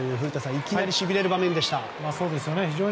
いきなりしびれる場面でした。